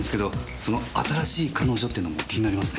その「新しい彼女」ってのも気になりますね。